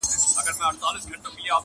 تور باڼۀ وروځې او زلفې خال او زخه .